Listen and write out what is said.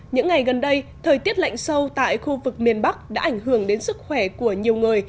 những ngày gần đây thời tiết lạnh sâu tại khu vực miền bắc đã ảnh hưởng đến sức khỏe của nhiều người